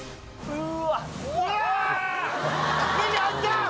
うわ！